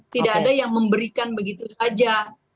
tidak ada yang memberikan begitu saja